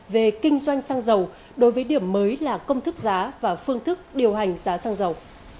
về kinh doanh sang giàu đối với điểm mới là công thức giá và phương thức điều hành giá sang giàu